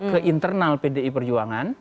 ke internal pdi perjuangan